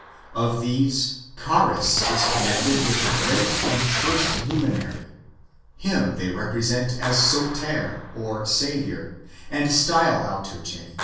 Of these, Charis is connected w^ith the great and first luminary : him they represent as Soter (Saviour), and style Armogenes.